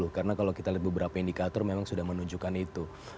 karena kalau kita lihat beberapa indikator memang sudah menunjukkan itu